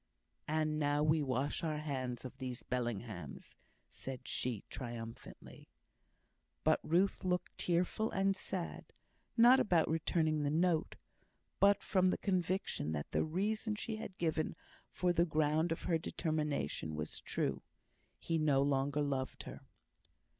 "And now we wash our hands of these Bellinghams," said she, triumphantly. But Ruth looked tearful and sad; not about returning the note, but from the conviction that the reason she had given for the ground of her determination was true he no longer loved her.